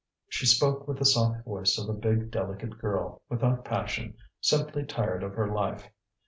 She spoke with the soft voice of a big, delicate girl, without passion, simply tired of her life.